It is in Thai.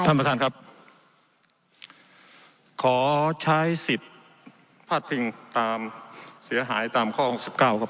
ท่านประธานครับขอใช้สิทธิ์พลาดพิงตามเสียหายตามข้อหกสิบเก้าครับ